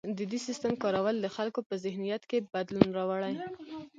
د دې سیستم کارول د خلکو په ذهنیت کې بدلون راوړي.